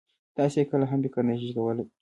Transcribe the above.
تاسې يې کله هم فکر نه شئ کولای.